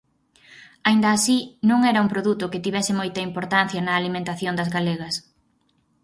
Aínda así, non era un produto que tivese moita importancia na alimentación das galegas.